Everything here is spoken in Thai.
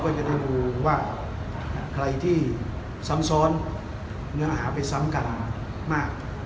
ประดี้ละเราก็หาไปซ้ำกันมาก